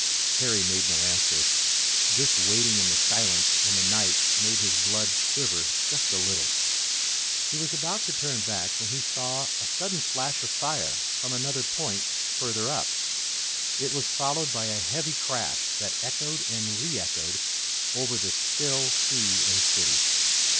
Harry made no answer. This waiting in the silence and the night made his blood quiver just a little. He was about to turn back when he saw a sudden flash of fire from another point further up. It was followed by a heavy crash that echoed and re echoed over the still sea and city.